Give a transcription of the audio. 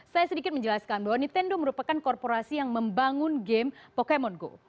saya sedikit menjelaskan bahwa nintendo merupakan korporasi yang membangun game pokemon go